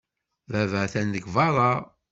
Baba atan deg beṛṛa.